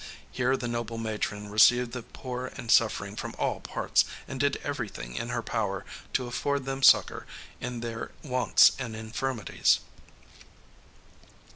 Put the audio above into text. Here the noble matron received the poor and suffering from all parts, and did everything in her power to afford them succor in their wants and infirmities.